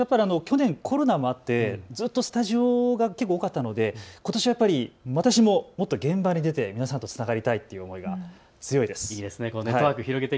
私は去年、コロナもあって、ずっとスタジオが多かったのでことしは私も現場に出て皆さんとつながりたいという思いが強いです。